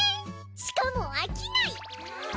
しかも飽きない。